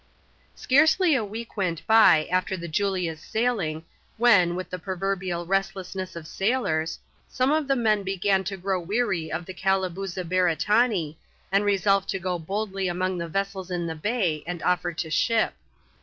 Scarcely a week went by after the Julia's sailing, when, with the proverbial restlessness of sailors, some of the men began to grow weary of the Calabooza Beretanee, and resolved to ga boldly among the vessels in the bay, and offer to ship.